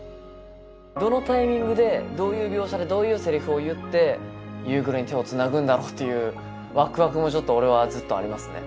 どのタイミングでどういう描写でどういうセリフを言って夕暮れに手をつなぐんだろうっていうワクワクもちょっと俺はずっとありますね